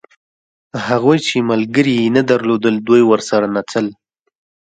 هغوی چې ملګري یې نه درلودل دوی ورسره نڅل.